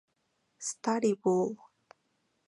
Study Bull.